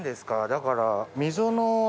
だから。